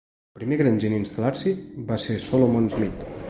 El primer granger en instal·lar-s'hi va ser Solomon Smith.